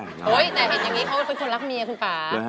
แต่เห็นอย่างนี้เขาเป็นคนรักเมียคุณป่า